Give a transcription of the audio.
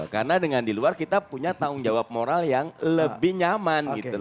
karena dengan di luar kita punya tanggung jawab moral yang lebih nyaman